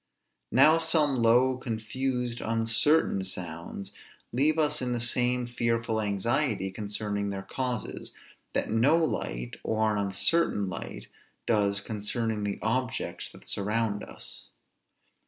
Now some low, confused, uncertain sounds, leave us in the same fearful anxiety concerning their causes, that no light, or an uncertain light, does concerning the objects that surround us.